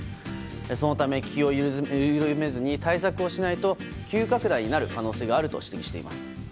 そのため気を緩めずに対策をしないと急拡大になる可能性があると指摘しています。